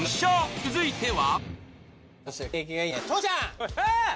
続いては。